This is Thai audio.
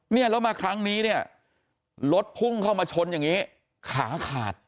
เนี่ยแล้วมาครั้งนี้เนี่ยรถพุ่งเข้ามาชนอย่างนี้ขาขาด